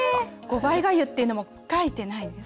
５倍がゆっていうのも書いてないんです。